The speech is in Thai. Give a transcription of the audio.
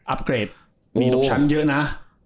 อัปเกรดนีตกชั้นเยอะนะ